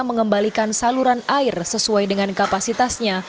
mengembalikan saluran air sesuai dengan kapasitasnya